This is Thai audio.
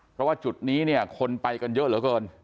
เพราะว่าจุดนี้เนี่ยคนไปกันเยอะเหลือเกิน